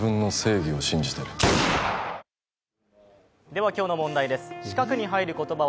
では今日の問題です。